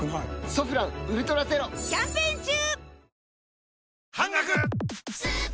「ソフランウルトラゼロ」キャンペーン中！